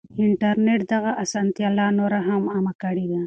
انټرنټ دغه اسانتيا لا نوره هم عامه کړې ده.